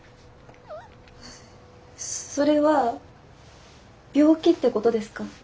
それは病気ってことですか？